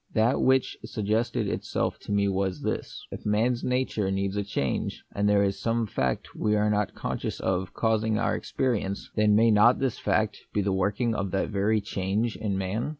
That which suggested itself to me was this: If man's nature needs a change, and there is some fact we are not conscious of causing our experience, then may not this fact be the working of that very change in man